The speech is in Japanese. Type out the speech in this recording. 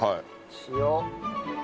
塩。